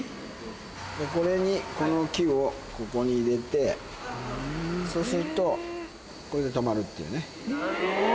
これにこの木をここに入れてそうするとこれで止まるっていうね。